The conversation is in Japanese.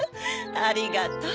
ありがとう。